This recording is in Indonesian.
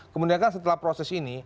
kemudian kan setelah proses ini